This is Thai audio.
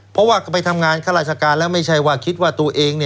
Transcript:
เพราะว่าก็ไปทำงานข้าราชการแล้วไม่ใช่ว่าคิดว่าตัวเอง